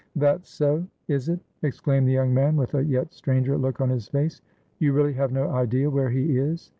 "That's so, is it?" exclaimed the young man, with a yet stranger look on his face. "You really have no idea where he is?"